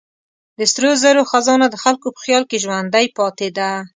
د سرو زرو خزانه د خلکو په خیال کې ژوندۍ پاتې ده.